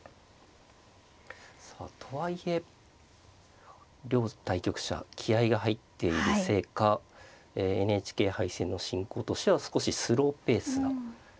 さあとはいえ両対局者気合いが入っているせいかＮＨＫ杯戦の進行としては少しスローペースな感じがします。